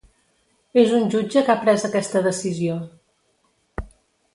És un jutge que ha pres aquesta decisió.